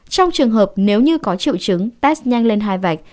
trong trường hợp nếu như có triệu chứng test nhanh lên hai vạch